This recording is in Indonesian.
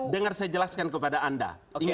dengar saya jelaskan kepada anda